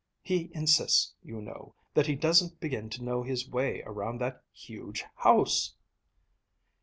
He insists, you know, that he doesn't begin to know his way around that huge house!"